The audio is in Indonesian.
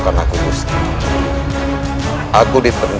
selasi selasi bangun